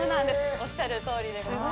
おっしゃるとおりでございます。